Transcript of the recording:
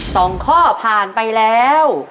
สองข้อผ่านไปแล้ว